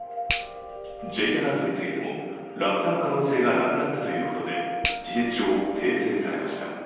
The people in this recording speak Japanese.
Ｊアラートについても、落下の可能性がなくなったということで事実上、訂正されました。